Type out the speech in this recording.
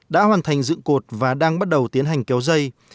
đã hoàn thành dựng cột và đang bắt đầu tiến hành kéo dây